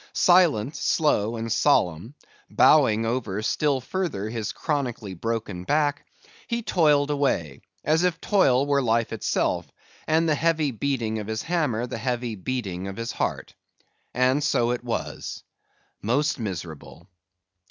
Silent, slow, and solemn; bowing over still further his chronically broken back, he toiled away, as if toil were life itself, and the heavy beating of his hammer the heavy beating of his heart. And so it was.—Most miserable!